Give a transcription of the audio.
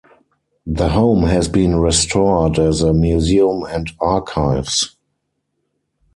The home has been restored as a museum and archives.